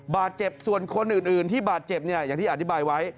บาดเจ็บส่วนคนอื่นที่บาดเจ็บเนี่ยอย่างที่อธิบายไว้